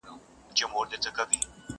په هغه شپه له پاچا سره واده سوه!.